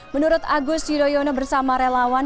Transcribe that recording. menurut agus yudhoyono bersama relawan